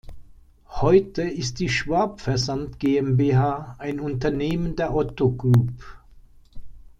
Heute ist die Schwab-Versand GmbH ein Unternehmen der Otto Group.